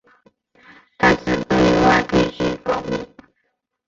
但是对外必须保密。